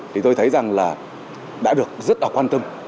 thì tôi thấy rằng là đã được rất là quan tâm